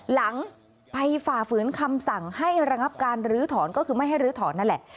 หลังไปฝ่าฝืนคำสั่งให้ระงับการลื้อถอนก็คือไม่ให้ลื้อถอนนั่นแหละ